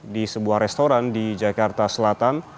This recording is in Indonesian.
di sebuah restoran di jakarta selatan